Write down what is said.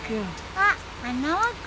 あっ花輪君。